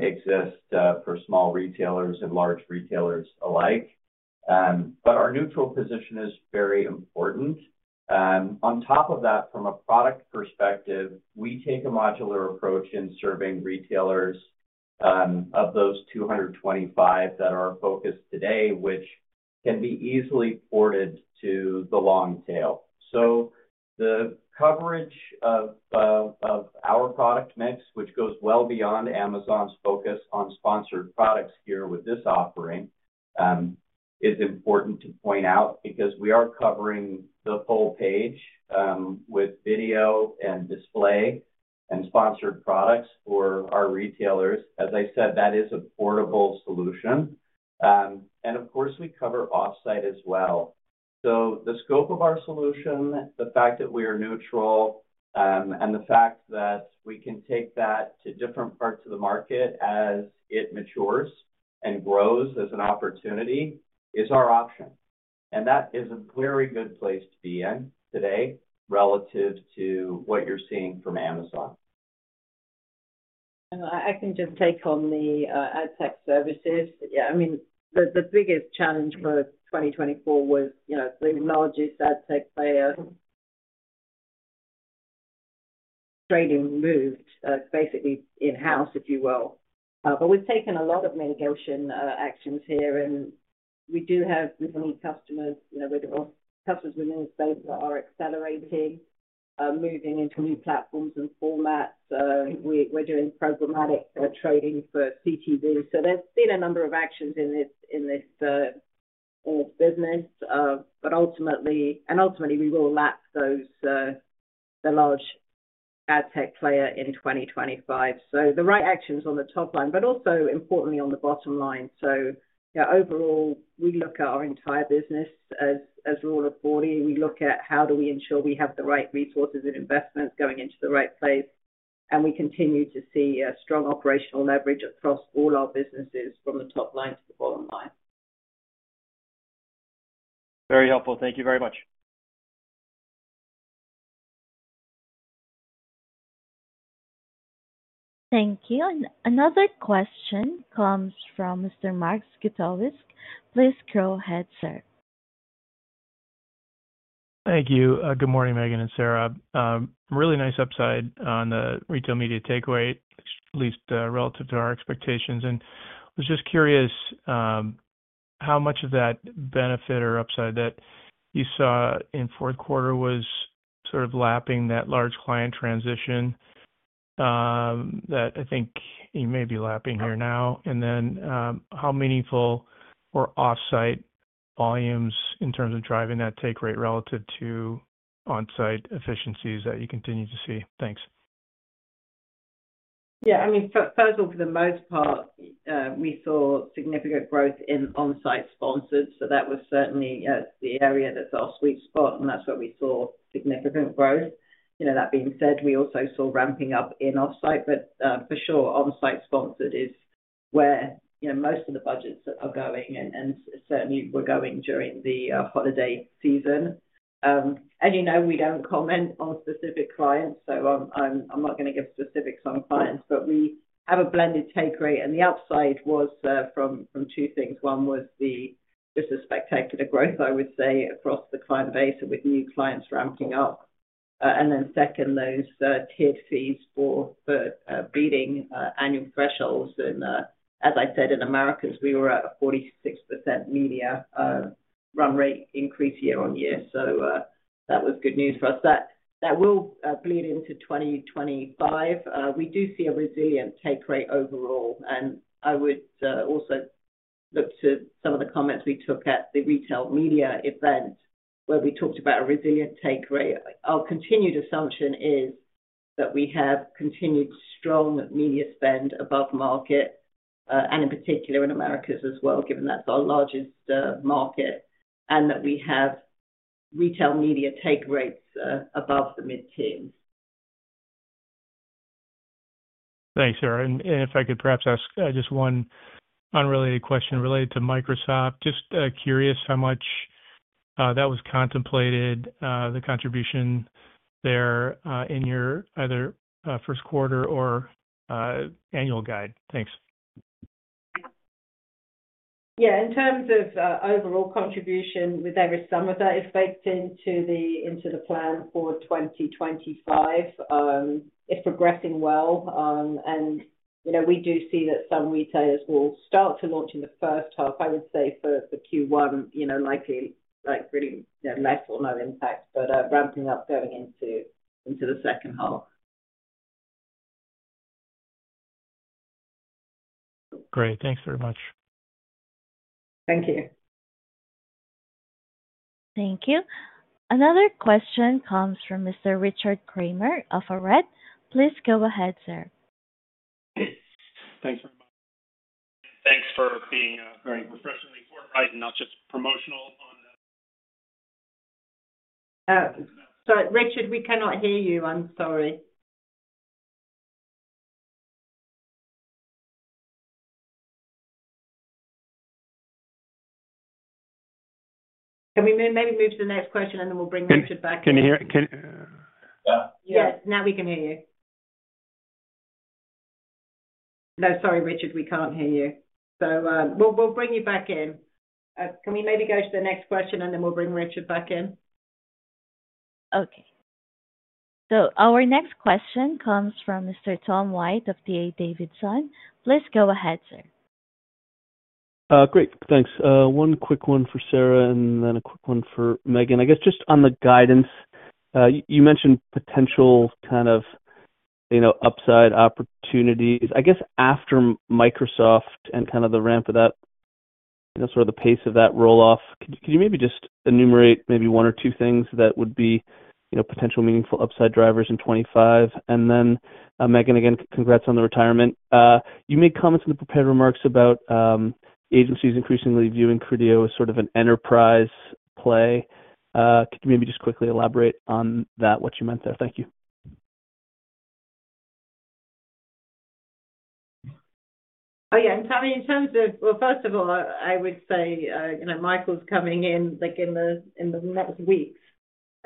exist for small retailers and large retailers alike. Our neutral position is very important. On top of that, from a product perspective, we take a modular approach in serving retailers of those 225 that are focused today, which can be easily ported to the long tail. The coverage of our product mix, which goes well beyond Amazon's focus on sponsored products here with this offering, is important to point out because we are covering the full page with video and display and sponsored products for our retailers. As I said, that is a portable solution. Of course, we cover offsite as well. So the scope of our solution, the fact that we are neutral, and the fact that we can take that to different parts of the market as it matures and grows as an opportunity is our option. And that is a very good place to be in today relative to what you're seeing from Amazon. I can just take on the Ad Tech Services. Yeah. I mean, the biggest challenge for 2024 was the largest Ad Tech player trading moved basically in-house, if you will. But we've taken a lot of mitigation actions here. And we do have many customers. Customers within the space are accelerating, moving into new platforms and formats. We're doing programmatic trading for CTV. So there's been a number of actions in this business. And ultimately, we will lap the large Ad Tech player in 2025. So the right actions on the top line, but also importantly on the bottom line. So overall, we look at our entire business as Rule of 40. We look at how do we ensure we have the right resources and investments going into the right place. And we continue to see a strong operational leverage across all our businesses from the top line to the bottom line. Very helpful. Thank you very much. Thank you. And another question comes from Mr. Mark Zgutowicz. Please go ahead, sir. Thank you. Good morning, Megan and Sarah. Really nice upside on the Retail Media takeaway, at least relative to our expectations. And I was just curious how much of that benefit or upside that you saw in fourth quarter was sort of lapping that large client transition that I think you may be lapping here now. And then how meaningful were off-site volumes in terms of driving that take rate relative to on-site efficiencies that you continue to see? Thanks. Yeah. I mean, first of all, for the most part, we saw significant growth in on-site sponsored. So that was certainly the area that's our sweet spot. And that's where we saw significant growth. That being said, we also saw ramping up in off-site. But for sure, on-site sponsored is where most of the budgets are going. And certainly, we're going during the holiday season. As you know, we don't comment on specific clients. So I'm not going to give specifics on clients. But we have a blended take rate. And the upside was from two things. One was just the spectacular growth, I would say, across the client base with new clients ramping up. And then second, those tiered fees for exceeding annual thresholds. As I said, in America, we were at a 46% media run rate increase year on year. That was good news for us. That will bleed into 2025. We do see a resilient take rate overall. I would also look to some of the comments we took at the Retail Media event where we talked about a resilient take rate. Our continued assumption is that we have continued strong media spend above market, and in particular in America as well, given that's our largest market, and that we have Retail Media take rates above the mid-teens. Thanks, Sarah. If I could perhaps ask just one unrelated question related to Microsoft, just curious how much that was contemplated, the contribution there in your either first quarter or annual guide. Thanks. Yeah. In terms of overall contribution, there is some of that effect into the plan for 2025. It's progressing well. And we do see that some retailers will start to launch in the first half, I would say, for Q1, likely really less or no impact, but ramping up going into the second half. Great. Thanks very much. Thank you. Thank you. Another question comes from Mr. Richard Kramer of Arete. Please go ahead, sir. Thanks very much. Thanks for being very refreshingly forward and not just promotional on. Sorry, Richard, we cannot hear you. I'm sorry. Can we maybe move to the next question, and then we'll bring Richard back in? Yeah. Now we can hear you. No, sorry, Richard, we can't hear you. So we'll bring you back in. Can we maybe go to the next question, and then we'll bring Richard back in? Okay. So our next question comes from Mr. Tom White of D.A. Davidson. Please go ahead, sir. Great, thanks. One quick one for Sarah and then a quick one for Megan. I guess just on the guidance, you mentioned potential kind of upside opportunities. I guess after Microsoft and kind of the ramp of that, sort of the pace of that rolloff, could you maybe just enumerate maybe one or two things that would be potential meaningful upside drivers in 2025? And then Megan, again, congrats on the retirement. You made comments in the prepared remarks about agencies increasingly viewing Criteo as sort of an enterprise play. Could you maybe just quickly elaborate on that, what you meant there? Thank you. Oh, yeah. I mean, in terms of well, first of all, I would say Michael's coming in in the next weeks.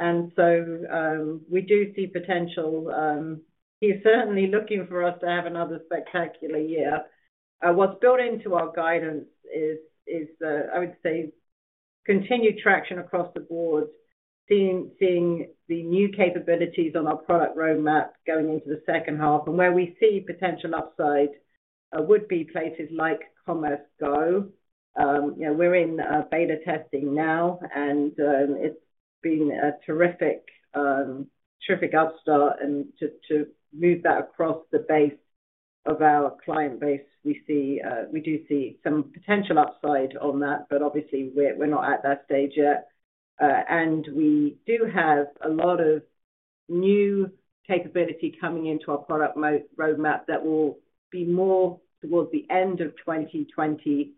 And so we do see potential. He's certainly looking for us to have another spectacular year. What's built into our guidance is, I would say, continued traction across the board, seeing the new capabilities on our product roadmap going into the second half. And where we see potential upside would be places like Commerce Go. We're in beta testing now, and it's been a terrific start. And to move that across the base of our client base, we do see some potential upside on that. But obviously, we're not at that stage yet. And we do have a lot of new capability coming into our product roadmap that will be more towards the end of 2025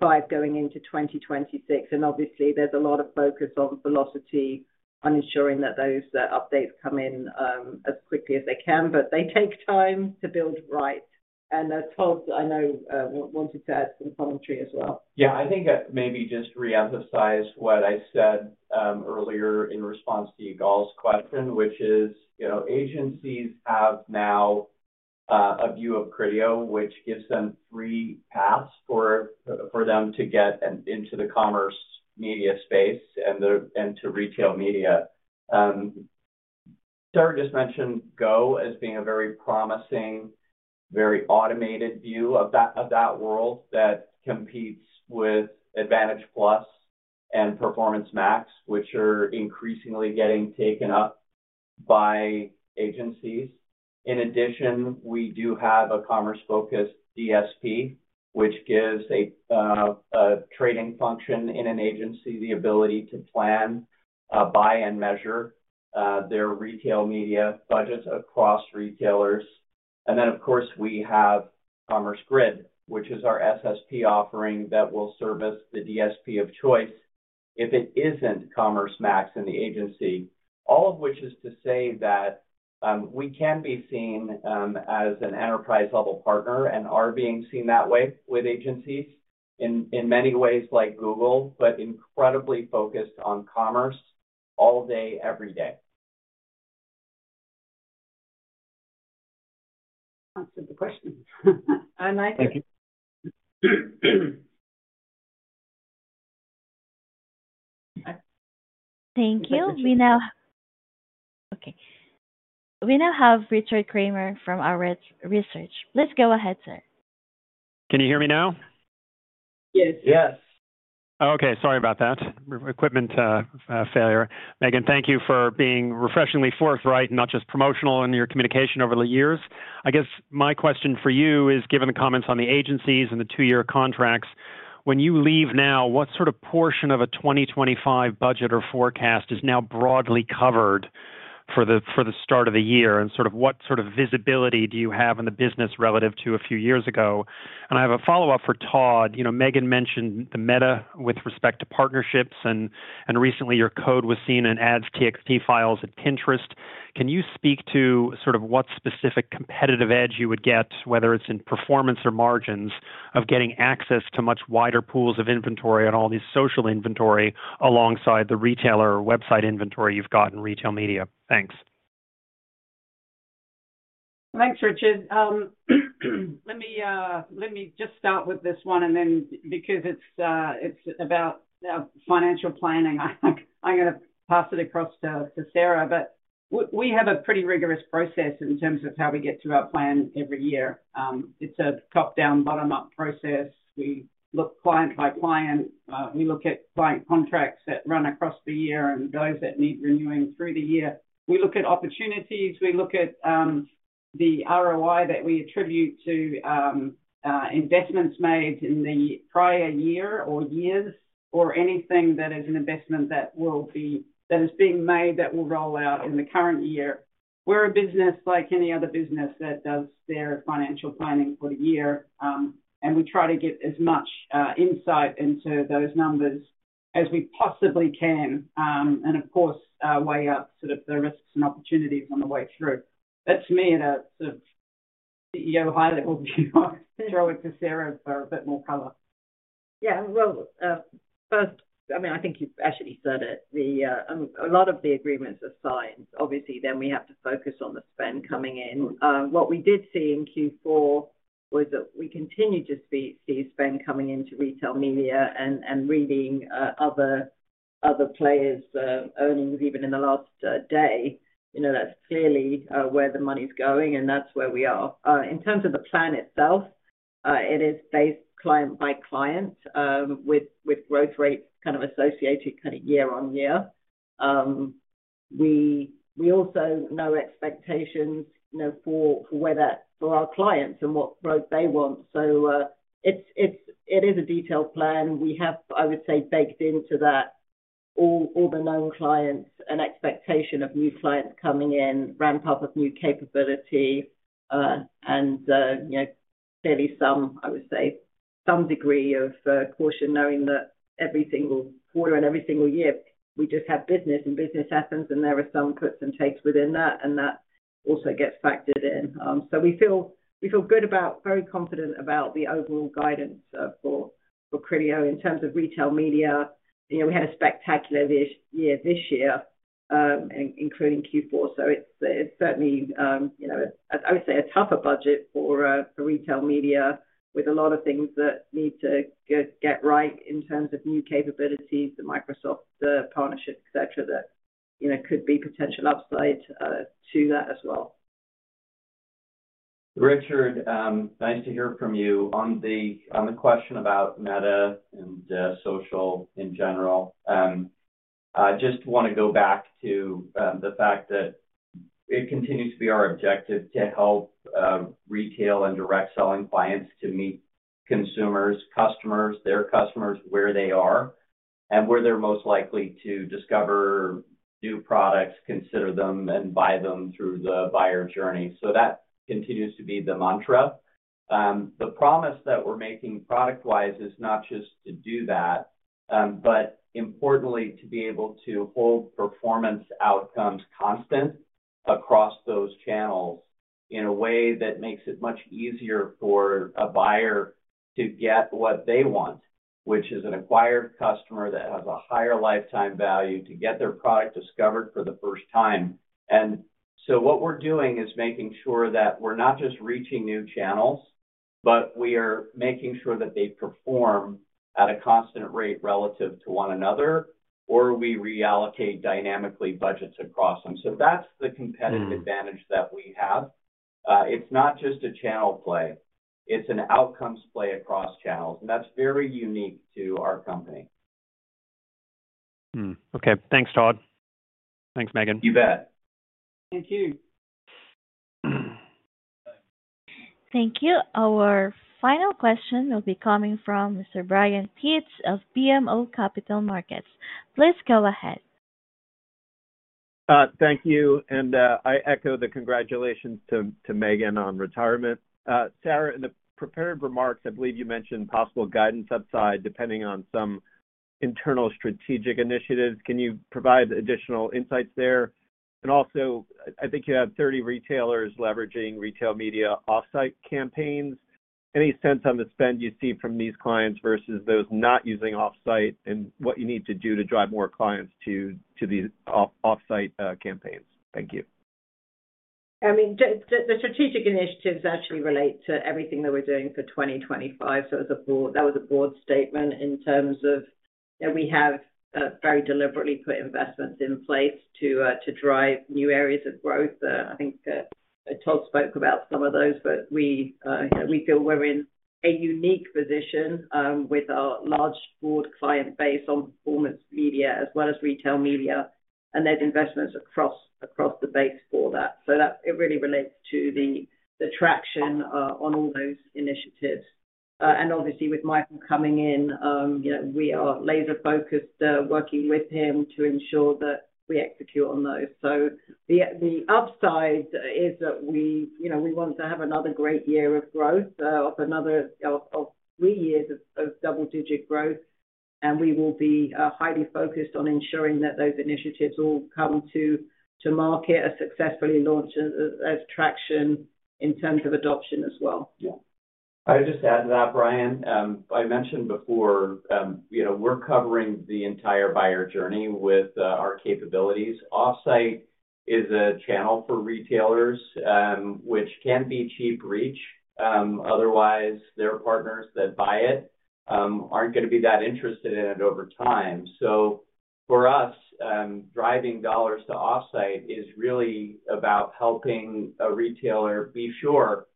going into 2026. And obviously, there's a lot of focus on velocity, on ensuring that those updates come in as quickly as they can. But they take time to build, right. And as Todd, I know, wanted to add some commentary as well. Yeah. I think that maybe just reemphasizes what I said earlier in response to you, Ygal's question, which is agencies have now a view of Criteo, which gives them three paths for them to get into the commerce media space and to Retail Media. Sarah just mentioned Go as being a very promising, very automated view of that world that competes with Advantage+ and Performance Max, which are increasingly getting taken up by agencies. In addition, we do have a commerce-focused DSP, which gives a trading function in an agency the ability to plan, buy, and measure their Retail Media budgets across retailers. And then, of course, we have Commerce Grid, which is our SSP offering that will service the DSP of choice if it isn't Commerce Max in the agency, all of which is to say that we can be seen as an enterprise-level partner and are being seen that way with agencies in many ways, like Google, but incredibly focused on commerce all day, every day. Answered the question. And I think. Thank you. Thank you. Okay. We now have Richard Kramer from Arete Research. Please go ahead, sir. Can you hear me now? Yes. Okay. Sorry about that. Equipment failure. Megan, thank you for being refreshingly forthright and not just promotional in your communication over the years. I guess my question for you is, given the comments on the agencies and the two-year contracts, when you leave now, what sort of portion of a 2025 budget or forecast is now broadly covered for the start of the year? And sort of what sort of visibility do you have in the business relative to a few years ago? And I have a follow-up for Todd. Megan mentioned the Meta with respect to partnerships. And recently, your code was seen in ads.txt files at Pinterest. Can you speak to sort of what specific competitive edge you would get, whether it's in performance or margins, of getting access to much wider pools of inventory and all this social inventory alongside the retailer website inventory you've got in Retail Media? Thanks. Thanks, Richard. Let me just start with this one. And then because it's about financial planning, I'm going to pass it across to Sarah. But we have a pretty rigorous process in terms of how we get through our plan every year. It's a top-down, bottom-up process. We look client by client. We look at client contracts that run across the year and those that need renewing through the year. We look at opportunities. We look at the ROI that we attribute to investments made in the prior year or years or anything that is an investment that is being made that will roll out in the current year. We're a business like any other business that does their financial planning for the year. And we try to get as much insight into those numbers as we possibly can and, of course, weigh up sort of the risks and opportunities on the way through. That's me at a sort of CEO high-level view. I'll throw it to Sarah for a bit more color. Yeah. Well, first, I mean, I think you've actually said it. A lot of the agreements are signed. Obviously, then we have to focus on the spend coming in. What we did see in Q4 was that we continued to see spend coming into Retail Media and reading other players' earnings even in the last day. That's clearly where the money's going, and that's where we are. In terms of the plan itself, it is based client by client with growth rates kind of associated kind of year on year. We also know expectations for our clients and what growth they want. So it is a detailed plan. We have, I would say, baked into that all the known clients and expectation of new clients coming in, ramp up of new capability, and clearly, I would say, some degree of caution knowing that every single quarter and every single year, we just have business, and business happens, and there are some puts and takes within that, and that also gets factored in. So we feel good about, very confident about the overall guidance for Criteo in terms of Retail Media. We had a spectacular year this year, including Q4. So it's certainly, I would say, a tougher budget for Retail Media with a lot of things that need to get right in terms of new capabilities, the Microsoft partnership, etc., that could be potential upside to that as well. Richard, nice to hear from you. On the question about Meta and social in general, I just want to go back to the fact that it continues to be our objective to help retail and direct-selling clients to meet consumers, customers, their customers where they are and where they're most likely to discover new products, consider them, and buy them through the buyer journey. So that continues to be the mantra. The promise that we're making product-wise is not just to do that, but importantly, to be able to hold performance outcomes constant across those channels in a way that makes it much easier for a buyer to get what they want, which is an acquired customer that has a higher lifetime value to get their product discovered for the first time. And so what we're doing is making sure that we're not just reaching new channels, but we are making sure that they perform at a constant rate relative to one another, or we reallocate dynamically budgets across them. So that's the competitive advantage that we have. It's not just a channel play. It's an outcomes play across channels. And that's very unique to our company. Okay. Thanks, Todd. Thanks, Megan. You bet. Thank you. Thank you. Our final question will be coming from Mr. Brian Pitz of BMO Capital Markets. Please go ahead. Thank you. And I echo the congratulations to Megan on retirement. Sarah, in the prepared remarks, I believe you mentioned possible guidance upside depending on some internal strategic initiatives. Can you provide additional insights there? And also, I think you have 30 retailers leveraging Retail Media off-site campaigns. Any sense on the spend you see from these clients versus those not using offsite and what you need to do to drive more clients to the offsite campaigns? Thank you. I mean, the strategic initiatives actually relate to everything that we're doing for 2025. So that was a broad statement in terms of we have very deliberately put investments in place to drive new areas of growth. I think Todd spoke about some of those, but we feel we're in a unique position with our large broad client base on Performance Media as well as Retail Media, and there's investments across the base for that. So it really relates to the traction on all those initiatives. And obviously, with Michael coming in, we are laser-focused working with him to ensure that we execute on those. The upside is that we want to have another great year of growth, of three years of double-digit growth. And we will be highly focused on ensuring that those initiatives all come to market, are successfully launched, and there's traction in terms of adoption as well. Yeah. I would just add to that, Brian. I mentioned before we're covering the entire buyer journey with our capabilities. Off-site is a channel for retailers, which can be cheap reach. Otherwise, their partners that buy it aren't going to be that interested in it over time. So for us, driving dollars to off-site is really about helping a retailer be sure that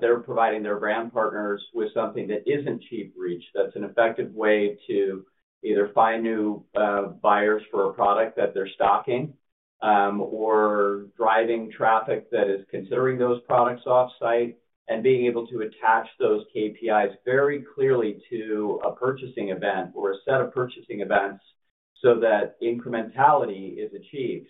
they're providing their brand partners with something that isn't cheap reach. That's an effective way to either find new buyers for a product that they're stocking or driving traffic that is considering those products offsite and being able to attach those KPIs very clearly to a purchasing event or a set of purchasing events so that incrementality is achieved.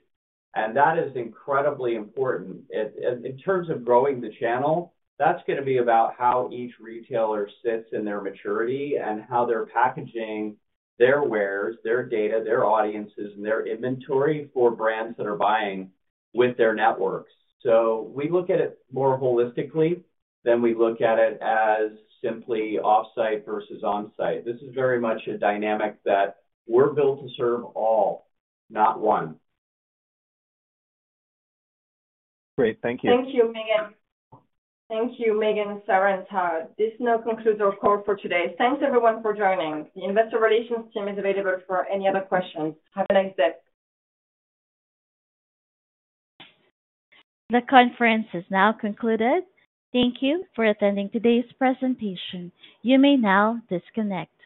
And that is incredibly important. In terms of growing the channel, that's going to be about how each retailer sits in their maturity and how they're packaging their wares, their data, their audiences, and their inventory for brands that are buying with their networks. So we look at it more holistically than we look at it as simply offsite versus onsite. This is very much a dynamic that we're built to serve all, not one. Great. Thank you. Thank you, Megan. Thank you, Megan, Sarah, and Todd. This now concludes our call for today. Thanks, everyone, for joining. The investor relations team is available for any other questions. Have a nice day. The conference is now concluded. Thank you for attending today's presentation. You may now disconnect.